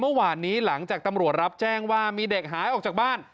เมื่อวานนี้หลังจากตำรวจรับแจ้งว่ามีเด็กหายออกจากบ้าน